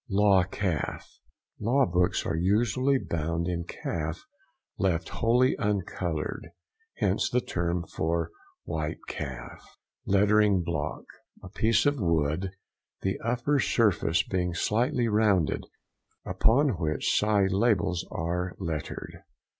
LAW CALF.—Law books are usually bound in calf left wholly uncoloured, hence the term for white calf. LETTERING BLOCK.—A piece of wood, the upper surface being slightly rounded, upon which side labels are lettered.